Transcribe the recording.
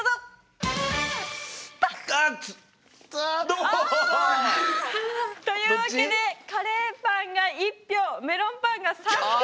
おほほほ！というわけでカレーパンが１票メロンパンが３票！